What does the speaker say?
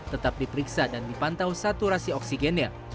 tetap diperiksa dan dipantau saturasi oksigennya